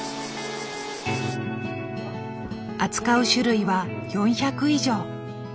扱う種類は４００以上。